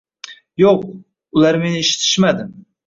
Yo’q, ular meni eshitishmadi.